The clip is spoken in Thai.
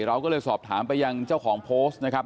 เราก็เลยสอบถามไปยังเจ้าของโพสต์นะครับ